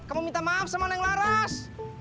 kamu minta maaf sama neng laras